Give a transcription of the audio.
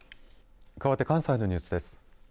かわって関西のニュースです。